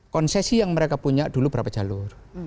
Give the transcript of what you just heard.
konsesi yang mereka punya dulu berapa jalur